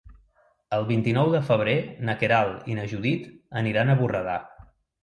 El vint-i-nou de febrer na Queralt i na Judit aniran a Borredà.